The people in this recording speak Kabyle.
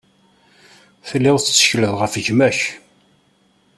Telliḍ tettekleḍ ɣef gma-k.